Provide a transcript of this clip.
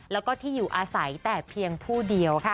แล้วก็ที่อยู่อาศัยแต่เพียงผู้เดียวค่ะ